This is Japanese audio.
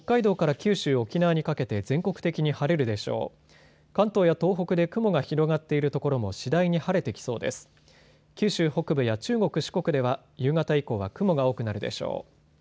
九州北部や中国、四国では夕方以降は雲が多くなるでしょう。